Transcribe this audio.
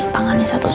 pangannya satu sido